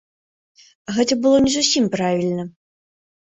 Гэта было не зусім правільна.